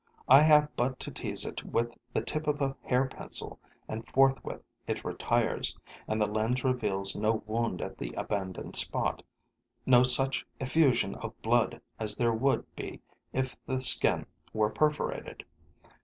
I have but to tease it with the tip of a hair pencil and forthwith it retires; and the lens reveals no wound at the abandoned spot, no such effusion of blood as there would be if the skin were perforated.